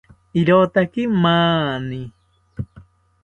Irotaki mani